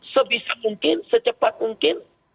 sebisa mungkin secepat mungkin